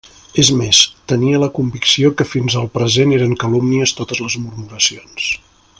És més: tenia la convicció que fins al present eren calúmnies totes les murmuracions.